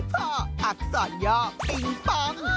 ข้ออักษรย่อปิงปอง